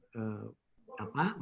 menghadapi ini pembangunan